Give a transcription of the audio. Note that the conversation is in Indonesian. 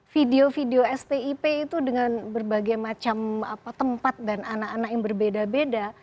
video video stip itu dengan berbagai macam tempat dan anak anak yang berbeda beda